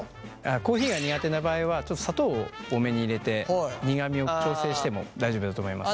コーヒーが苦手な場合はちょっと砂糖を多めに入れて苦みを調整しても大丈夫だと思います。